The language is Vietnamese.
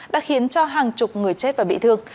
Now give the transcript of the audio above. đã khiến cho hàng chục người chết và bị thương